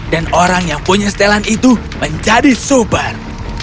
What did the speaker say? dan orang yang punya setelan itu menjadi super